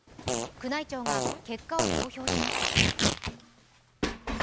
宮内庁が結果を公表しました。